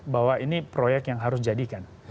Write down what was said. bahwa ini proyek yang harus jadikan